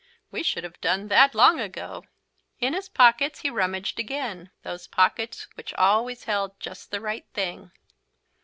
"We should have done that long ago." In his pockets he rummaged again, those pockets which always held just the right thing.